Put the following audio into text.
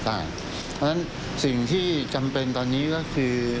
เพราะฉะนั้นสิ่งที่จำเป็นตอนนี้ก็คือ